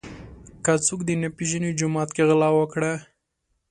ـ که څوک دې نه پیژني جومات کې غلا وکړه.